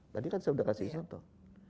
tadi kan saya sudah kasih contoh